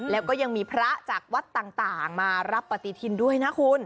แล้วก็ยังมีพระจากวัดต่างมารับปฏิทินด้วยนะคุณ